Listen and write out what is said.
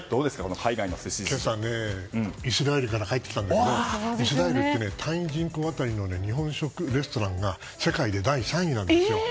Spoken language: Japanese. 今朝、イスラエルから帰ってきたけどイスラエルって人口当たりの日本食レストランが世界で第３位なんですよ。